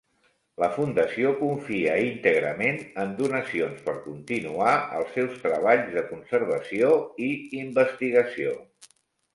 La Fundació confia íntegrament en donacions per continuar els seus treballs de conservació i investigació.